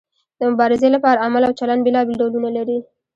د مبارزې لپاره عمل او چلند بیلابیل ډولونه لري.